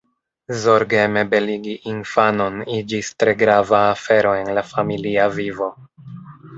Zorgeme beligi infanon iĝis tre grava afero en la familia vivo.